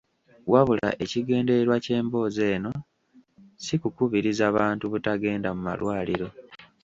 Wabula, ekigendererwa ky’emboozi eno si kukubiriza bantu butagenda mu malwaliro.